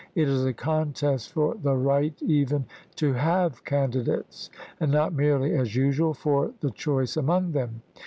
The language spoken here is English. It is a contest for the right even to have candidates, and not merely, as usual, for the choice among them.